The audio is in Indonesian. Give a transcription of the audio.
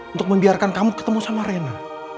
untuk membiarkan kamu ketemu sama rena